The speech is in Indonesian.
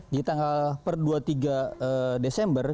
di tanggal per dua puluh tiga desember